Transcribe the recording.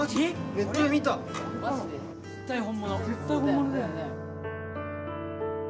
絶対本物だよね。